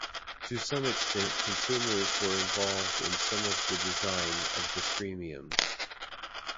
To some extent consumers were involved in some of the design of the Streamiums.